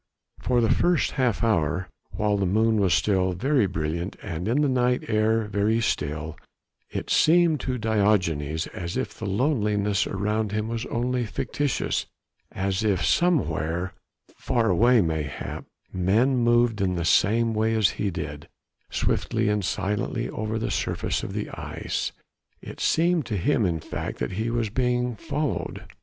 For the first half hour, while the moon was still very brilliant and the night air very still, it seemed to Diogenes as if the loneliness around him was only fictitious, as if somewhere far away mayhap men moved in the same way as he did, swiftly and silently over the surface of the ice. It seemed to him in fact that he was being followed.